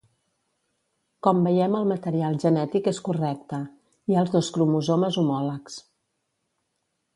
Com veiem el material genètic és correcte, hi ha els dos cromosomes homòlegs.